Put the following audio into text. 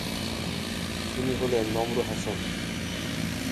তিনি হলেন 'নম্র হাসন'।